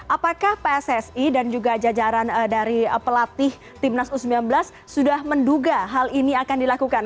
apakah pssi dan juga jajaran dari pelatih timnas u sembilan belas sudah menduga hal ini akan dilakukan